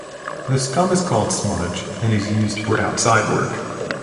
The scum is called smudge, and is used for outside work.